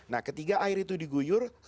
nah ketika air itu diguyur